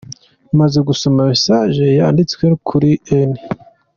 Maze gusoma Message yanditswe kuli N.